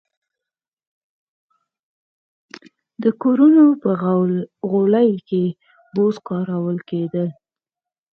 د کورونو په غولي کې بوس کارول کېدل.